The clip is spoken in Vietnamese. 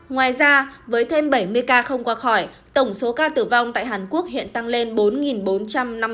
ngoài ra với thêm bảy mươi ca không qua khỏi tổng số ca tử vong tại hàn quốc hiện tăng lên bốn bốn trăm năm mươi ca